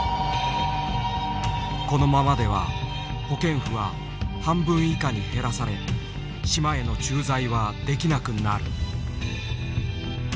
このままでは保健婦は半分以下に減らされ島への駐在はできなくなる。